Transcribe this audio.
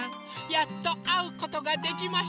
やっとあうことができました。